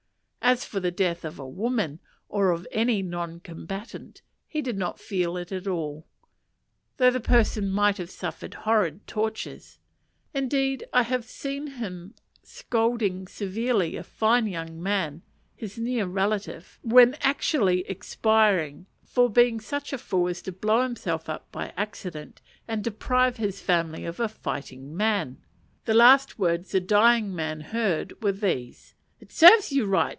As for the death of a woman, or any non combatant, he did not feel it at all; though the person might have suffered horrid tortures: indeed I have seen him scolding severely a fine young man, his near relative, when actually expiring, for being such a fool as to blow himself up by accident, and deprive his family of a fighting man. The last words the dying man heard were these: "It serves you right.